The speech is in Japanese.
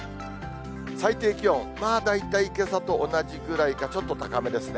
最低気温、まあ大体けさと同じぐらいかちょっと高めですね。